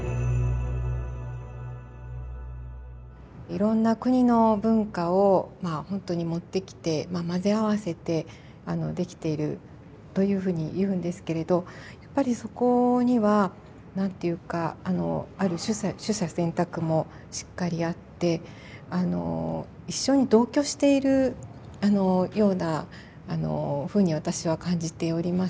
いろんな国の文化をまあほんとに持ってきて混ぜ合わせてできているというふうに言うんですけれどやっぱりそこには何て言うかある取捨選択もしっかりやってあの一緒に同居しているあのようなあのふうに私は感じております。